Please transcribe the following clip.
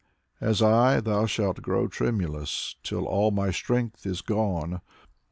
As I, thou shalt grow tremulous, Till all my strength is gone.